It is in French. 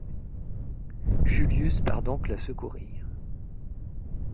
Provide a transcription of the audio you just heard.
Julius part donc la secourir.